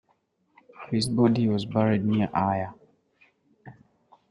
His body was buried near Ayr.